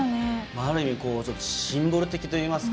ある意味シンボル的っていいますか。